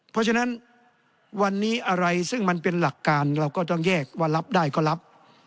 เพราะฉะนั้นวันนี้อะไรซึ่งมันเป็นหลักการเราก็ต้องแยกว่ารับได้ก็รับ